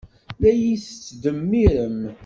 La iyi-tettdemmirem.